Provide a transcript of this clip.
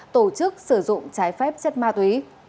tổ chức sử dụng trái phép chất ma túy